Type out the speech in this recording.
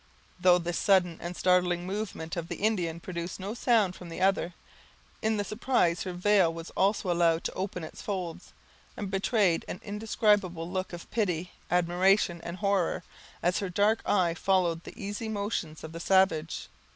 Though this sudden and startling movement of the Indian produced no sound from the other, in the surprise her veil also was allowed to open its folds, and betrayed an indescribable look of pity, admiration, and horror, as her dark eye followed the easy motions of the savage.